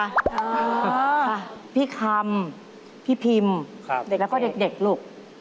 ค่ะพี่คำพี่พิมแล้วก็เด็กลูก